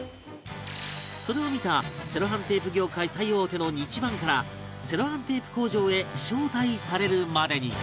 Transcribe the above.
それを見たセロハンテープ業界最大手のニチバンからセロハンテープ工場へ招待されるまでに